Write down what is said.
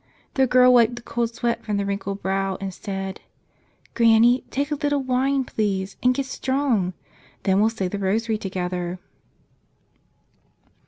The girl wiped the cold sweat from the wrinkled brow and said, "Granny, take a little wine, please, and get strong. Then we'll say the rosary together."